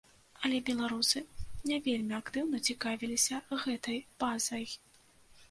Але беларусы не вельмі актыўна цікавіліся гэтай базай.